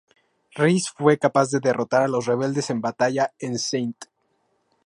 Rhys fue capaz de derrotar a los rebeldes en batalla en St.